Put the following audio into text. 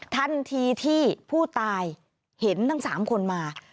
ทันทีที่ผู้ตายเห็นทั้ง๓คนมา